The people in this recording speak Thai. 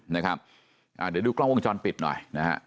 เดี๋ยวดูกล้องวงจรปิดหน่อยนะฮะ